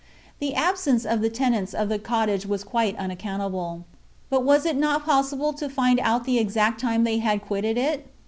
The absence of the tenants of the cottage was quite unaccountable. But was it not possible to find out the exact time they had quitted it?